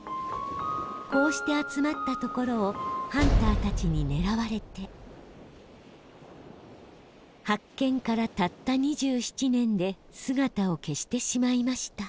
こうして集まったところをハンターたちにねらわれて発見からたった２７年で姿を消してしまいました